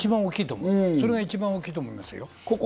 それが一番大きいと思いますよ。